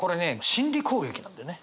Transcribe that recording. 心理攻撃なんだよね。